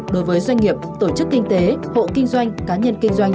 đối với doanh nghiệp tổ chức kinh tế hộ kinh doanh cá nhân kinh doanh